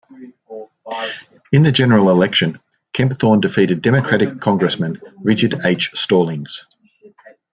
In the general election, Kempthorne defeated Democratic Congressman Richard H. Stallings.